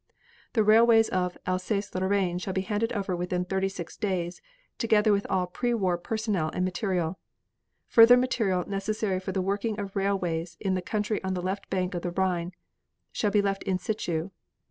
The railways of Alsace Lorraine shall be handed over within thirty six days, together with all pre war personnel and material. Further material necessary for the working of railways in the country on the left bank of the Rhine shall be left in situ.